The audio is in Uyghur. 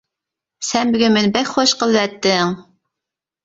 -سەن بۈگۈن مېنى بەك خۇشال قىلىۋەتتىڭ.